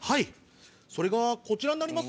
それがこちらになります。